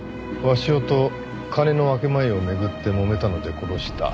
「鷲尾と金の分け前を巡ってもめたので殺した」